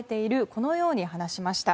このように話しました。